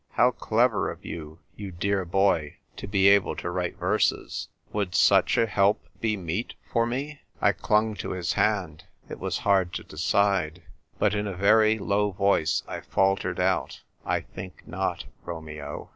'How clever of you, you dear boy, to be able to write verses!* Would such a help be meet for me ?" I clung to his hand ; it was hard to decide; but in a very low voice I faltered out, " I think not, Romeo."